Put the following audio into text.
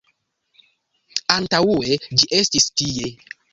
Antaŭe ĝi estis tie.